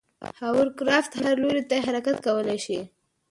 هاورکرافت هر لوري ته حرکت کولی شي.